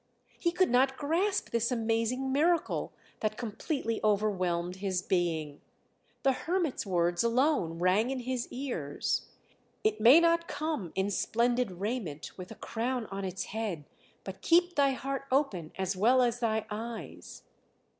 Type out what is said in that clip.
He could not grasp this amazing miracle that completely overwhelmed his being; the hermit's words alone rang in his ears: "It may not come in splendid raiment with a crown on its head, but keep thy heart open as well as thy eyes...."